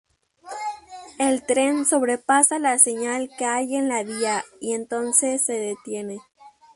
El tren sobrepasa la señal que hay en la vía y entonces, se detiene.